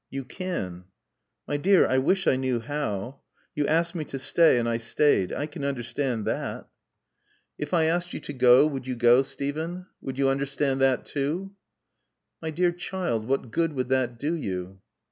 "You can." "My dear, I wish I knew how. You asked me to stay and I stayed. I can understand that." "If I asked you to go, would you go, Steven? Would you understand that too?" "My dear child, what good would that do you?"